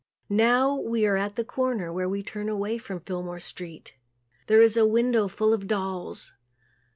Now we are at the corner where we turn away from Fillmore street. There is a window full of dolls.